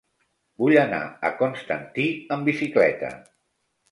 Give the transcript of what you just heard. Vull anar a Constantí amb bicicleta.